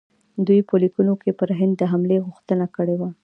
دوی په لیکونو کې پر هند د حملې غوښتنه کړې وه.